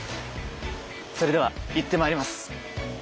それでは行ってまいります。